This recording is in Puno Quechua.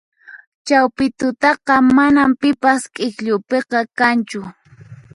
Chawpi tutataqa manan pipas k'ikllupiqa kanchu